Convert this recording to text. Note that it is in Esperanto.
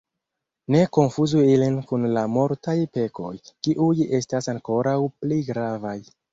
Ne konfuzu ilin kun la mortaj pekoj, kiuj estas ankoraŭ pli gravaj.